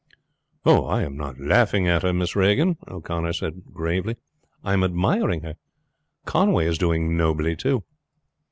"I am not laughing at her, Miss Regan," O'Connor said gravely; "I am admiring her. Conway is doing nobly too."